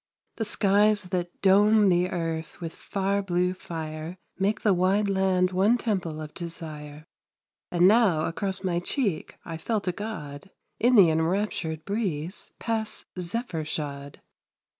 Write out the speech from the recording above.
The skies that dome the earth with far blue fire Make the wide land one temple of desire; Just now across my cheek I felt a God, In the enraptured breeze, pass zephyr shod.